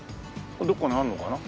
どっかにあるのかな？